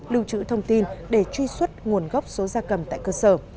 lưu trữ thông tin để truy xuất nguồn gốc số gia cầm tại cơ sở